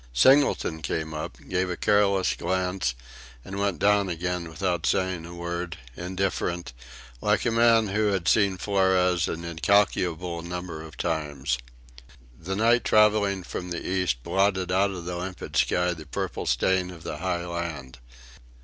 Singleton came up, gave a careless glance, and went down again without saying a word, indifferent, like a man who had seen Flores an incalculable number of times. The night travelling from the East blotted out of the limpid sky the purple stain of the high land.